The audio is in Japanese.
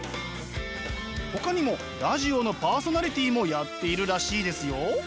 ほかにもラジオのパーソナリティーもやっているらしいですよ。